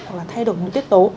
hoặc là thay đổi nội tiết tố